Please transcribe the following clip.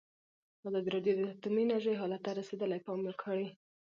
ازادي راډیو د اټومي انرژي حالت ته رسېدلي پام کړی.